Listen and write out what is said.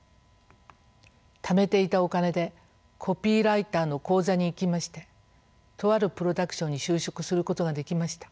ためていたお金でコピーライターの講座に行きましてとあるプロダクションに就職することができました。